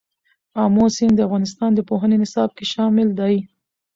آمو سیند د افغانستان د پوهنې نصاب کې شامل دی.